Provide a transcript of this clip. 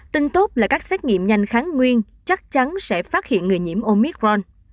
tin tốt là các xét nghiệm nhanh kháng nguyên chắc chắn sẽ phát hiện người nhiễm omicron